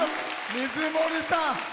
水森さん！